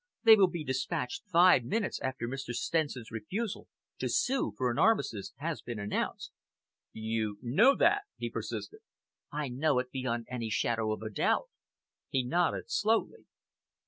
They will be despatched five minutes after Mr. Stenson's refusal to sue for an armistice has been announced." "You know that?" he persisted. "I know it beyond any shadow of doubt." He nodded slowly.